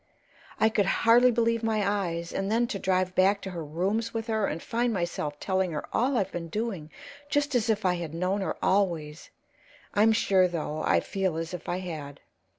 I could hardly believe my eyes. And then to drive back to her rooms with her and find myself telling her all I've been doing, just as if I had known her always I'm sure, though, I feel as if I had.